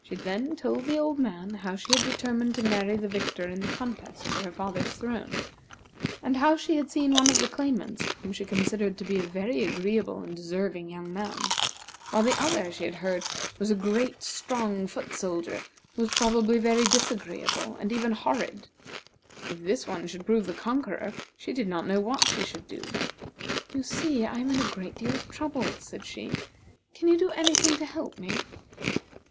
She then told the old man how she had determined to marry the victor in the contest for her father's throne, and how she had seen one for the claimants whom she considered to be a very agreeable and deserving young man; while the other, she had heard, was a great, strong foot soldier, who was probably very disagreeable, and even horrid. If this one should prove the conqueror, she did not know what she should do. "You see, I am in a great deal of trouble," said she. "Can you do any thing to help me?"